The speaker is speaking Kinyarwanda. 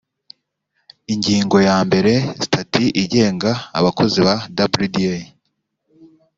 ingingo ya mbere sitati igenga abakozi ba wda